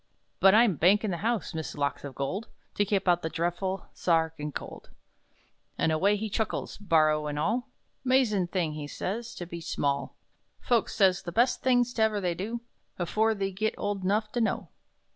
But I'm bankin' the house, Miss Locks o gold, To keep out the dreadful Sa archin' Cold!" And away he chuckles, barrow and all: "'Mazin' thing," he says, "to be small! Folks says the best things 't ever they do Afore they git old 'nough to know!"